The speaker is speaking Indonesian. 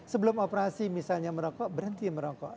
sebelum operasi misalnya merokok berhenti merokok